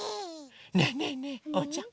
ねえねえねえおうちゃん。